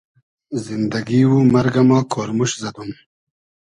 زیندئگی و مئرگۂ ما کۉرموشت زئدوم